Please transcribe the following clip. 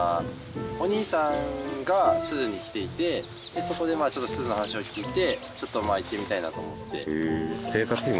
お兄さんが珠洲に来ていてそこでまあちょっと珠洲の話を聞いてちょっとまあ行ってみたいなと思って。